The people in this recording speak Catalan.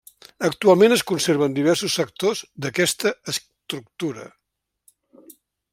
Actualment es conserven diversos sectors d'aquesta estructura.